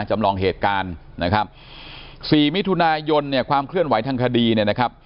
จำลองเหตุการณ์นะครับสี่มิถุนายนเนี่ยความเคลื่อนไหวทางคดีเนี่ยนะครับ